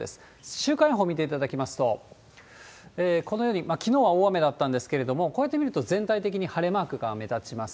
週間予報見ていただきますと、このように、きのうは大雨だったんですけれども、こうやって見ると、全体的に晴れマークが目立ちます。